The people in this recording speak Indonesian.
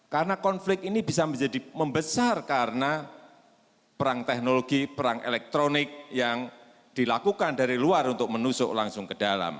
karena konflik ini bisa menjadi membesar karena perang teknologi perang elektronik yang dilakukan dari luar untuk menusuk langsung ke dalam